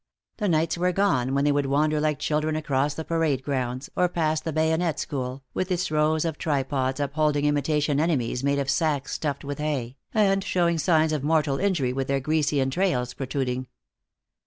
The nights were gone when they would wander like children across the parade grounds, or past the bayonet school, with its rows of tripods upholding imitation enemies made of sacks stuffed with hay, and showing signs of mortal injury with their greasy entrails protruding.